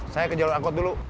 saya ke jalur angkot dulu